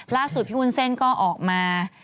พี่วุ้นเส้นก็ออกมา